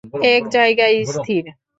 এক জায়গায় স্থির!